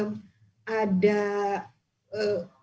mereka cukup cek